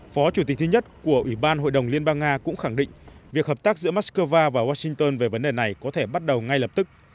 phó chủ tịch thứ nhất của ủy ban hội đồng liên bang nga cũng khẳng định việc hợp tác giữa moscow và washington về vấn đề này có thể bắt đầu ngay lập tức